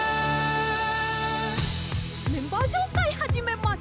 「メンバーしょうかいはじめます！